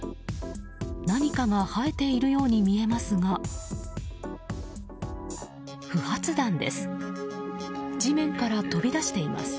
何かが生えているように見えますが不発弾です。